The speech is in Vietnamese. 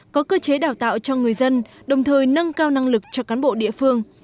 có cơ chế đào tạo cho người dân đồng thời nâng cao năng lực cho cán bộ địa phương